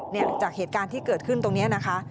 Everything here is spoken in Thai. จากเหตุการณ์ที่เกิดขึ้นตรงนี้นะคะ